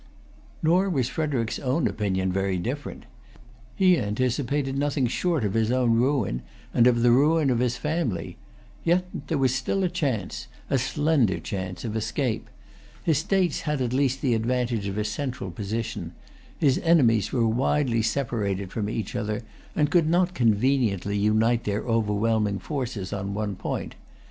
Nor was Frederic's own opinion very different. He[Pg 301] anticipated nothing short of his own ruin, and of the ruin of his family. Yet there was still a chance, a slender chance, of escape. His states had at least the advantage of a central position; his enemies were widely separated from each other, and could not conveniently unite their overwhelming forces on one point.